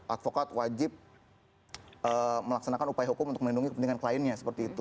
advokat wajib melaksanakan upaya hukum untuk melindungi kepentingan kliennya